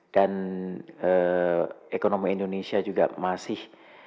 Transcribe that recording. dan ekonomi indonesia juga masih